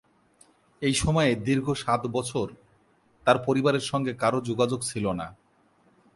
এই সময়ে দীর্ঘ সাত বছর তার পরিবারের সঙ্গে কারও যোগাযোগ ছিল না।